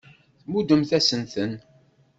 Tmuddemt-asent-ten.